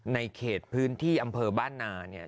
ในเขตพื้นที่อำเภอบ้านนาเนี่ย